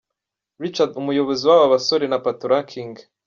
Richard umuyobozi wa babasore na Patoranking